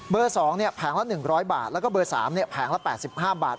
๒แผงละ๑๐๐บาทแล้วก็เบอร์๓แผงละ๘๕บาท